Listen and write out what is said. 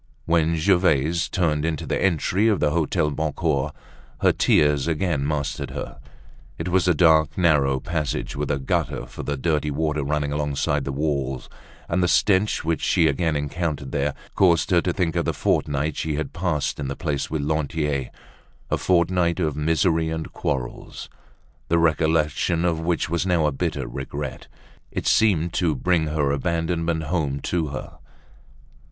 When Gervaise turned into the entry of the Hotel Boncoeur, her tears again mastered her. It was a dark, narrow passage, with a gutter for the dirty water running alongside the wall; and the stench which she again encountered there caused her to think of the fortnight she had passed in the place with Lantier—a fortnight of misery and quarrels, the recollection of which was now a bitter regret. It seemed to bring her abandonment home to her.